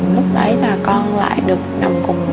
lúc đấy là con lại được nằm cùng